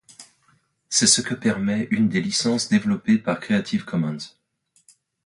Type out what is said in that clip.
C’est ce que permet une des licences développées par Creative Commons.